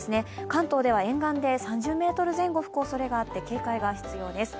関東では沿岸で３０メートル以上吹くおそれがあって警戒が必要です。